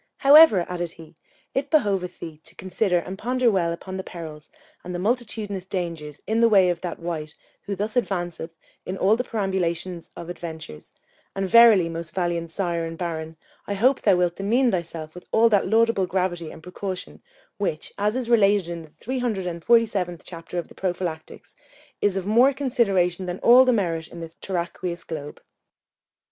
_ However, added he, it behoveth thee to consider and ponder well upon the perils and the multitudinous dangers in the way of that wight who thus advanceth in all the perambulation of adventures: and verily, most valiant sire and Baron, I hope thou wilt demean thyself with all that laudable gravity and precaution which, as is related in the three hundred and forty seventh chapter of the Prophilactics, is of more consideration than all the merit in this terraqueous globe.